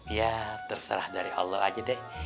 ya terserah dari allah aja deh